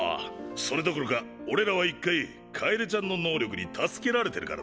それどころか俺らは１回楓ちゃんの能力に助けられてるからな。